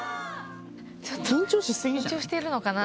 ちょっと緊張してるのかな？